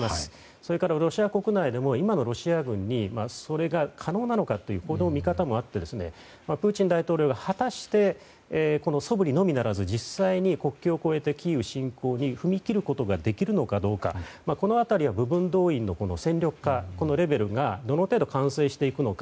それからロシア国内でも今のロシア軍にそれが可能なのかという見方もあってプーチン大統領が果たして素振りのみならず実際に国境を越えてキーウ侵攻に踏み切ることができるのかどうかこの辺りは部分動員の戦力化のレベルがどの程度完成していくのか。